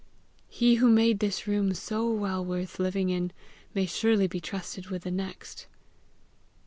He who made this room so well worth living in, may surely be trusted with the next!"